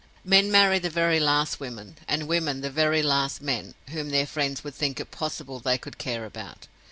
Men marry the very last women, and women the very last men, whom their friends would think it possible they could care about.